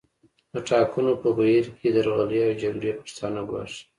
د ټاکنو په بهیر کې درغلۍ او جګړې پښتانه ګواښي